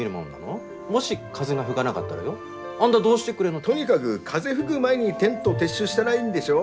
もし風が吹がながったらよあんだどうしてくれんの。とにかぐ風吹ぐ前にテント撤収したらいいんでしょ？